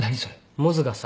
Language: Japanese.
モズがさ